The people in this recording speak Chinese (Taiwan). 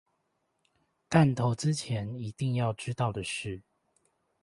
但投資前一定要知道的事